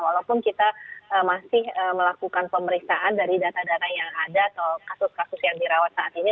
walaupun kita masih melakukan pemeriksaan dari data data yang ada atau kasus kasus yang dirawat saat ini